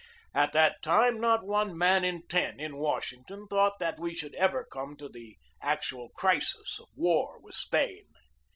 At that time, not one man in ten in Wash ington thought that we should ever come to the actual crisis of war with Spain.